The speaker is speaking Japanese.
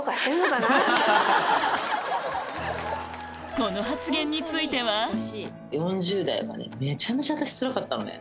この発言についてはでも。